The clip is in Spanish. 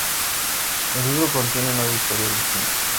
El libro contiene nueve historias distintas.